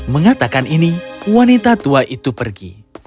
mengatakan ini wanita tua itu pergi